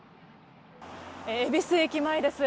恵比寿駅前です。